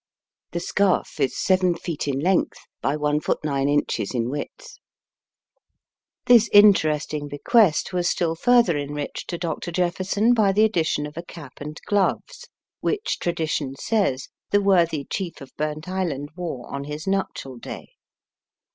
The scarf is seven feet in length, by one foot nine inches in width. This interesting bequest was still further enriched to Dr. Jefferson by the addition of a cap and gloves, which, tradition says, the worthy chief of Burntisland wore on his nuptial day.